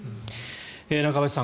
中林さん